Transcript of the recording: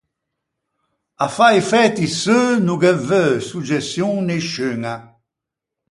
À fâ i fæti seu no ghe veu soggeçion nisciuña.